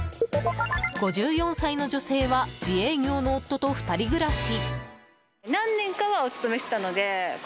５４歳の女性は自営業の夫と２人暮らし。